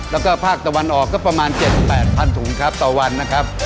แล้วก็ภาคตะวันออกก็ประมาณ๗๘๐๐ถุงครับต่อวันนะครับ